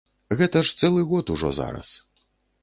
Гэта ж цэлы год ужо зараз.